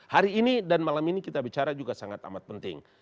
hari ini dan malam ini kita bicara juga sangat amat penting